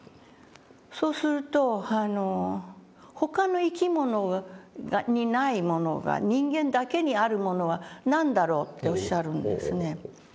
そうすると「他の生き物にないものが人間だけにあるものは何だろう？」っておっしゃるんですね。